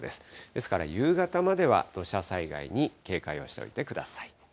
ですから夕方までは、土砂災害に警戒をしておいてください。